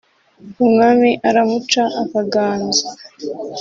umwami aramuca akaganza”